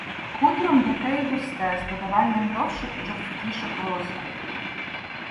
Хутро м'яке і густе, з додаванням довших, жорсткіших волосків.